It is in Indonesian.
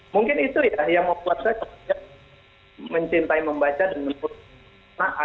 mungkin itu ya yang membuat saya mencintai membaca dan membuat naas